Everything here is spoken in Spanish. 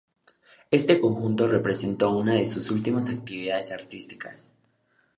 Este conjunto representó una de sus últimas actividades artísticas.